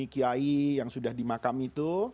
kiai yang sudah di makam itu